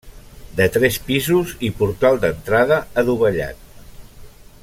De tres pisos i portal d'entrada adovellat.